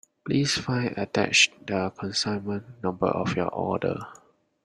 Please find attached the consignment number of your order.